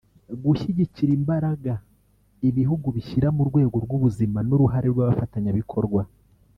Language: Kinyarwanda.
gushyigikira imbaraga ibihugu bishyira mu rwego rw’ubuzima n’uruhare rw’abafatanyabikorwa